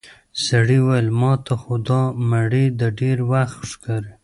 سړي وويل: ماته خو دا مړی د ډېر وخت ښکاري.